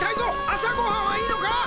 あさごはんはいいのか！？